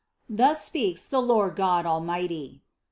Thus speaks the Lord God Almighty!"